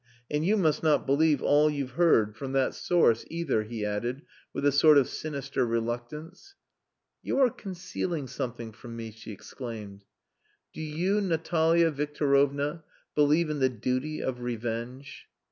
And you must not believe all you've heard from that source, either," he added, with a sort of sinister reluctance. "You are concealing something from me," she exclaimed. "Do you, Natalia Victorovna, believe in the duty of revenge?"